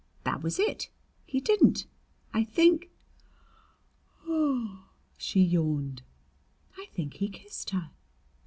"That was it. He didn't. I think" she yawned "I think he kissed her."